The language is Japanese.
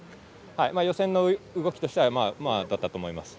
予選の動きとしてはまあまあだったと思います。